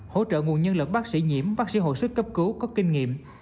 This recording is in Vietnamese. hỗ trợ nguồn nhân lực bác sĩ nhiễm bác sĩ hội sức cấp cứu có kinh nghiệm